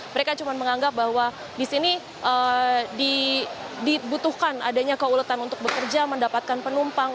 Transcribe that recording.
mereka cuma menganggap bahwa di sini dibutuhkan adanya keuletan untuk bekerja mendapatkan penumpang